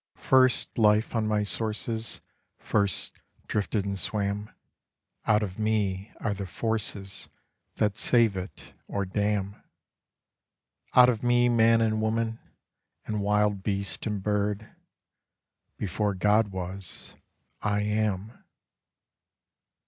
First life on my sources First drifted and swam; Out of me are the forces That save it or damn; Out of me man and woman, and wild beast and bird; before God was, I am.